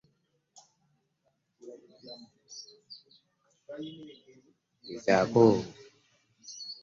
Gezaako okulabirira ebbomba yo togimenya, toggyako bintu byayo oba okukkiriza abaana okusindika ebisasiro mu mumwa gw'omudumu.